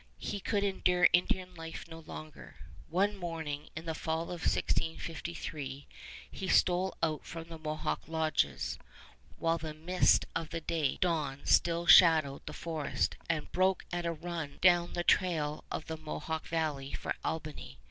He could endure Indian life no longer. One morning, in the fall of 1653, he stole out from the Mohawk lodges, while the mist of day dawn still shadowed the forest, and broke at a run down the trail of the Mohawk valley for Albany.